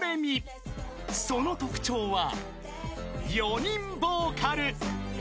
［その特徴は４人ボーカル］